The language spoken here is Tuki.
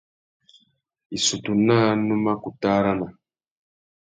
Issutu naā nu mà kutu arana.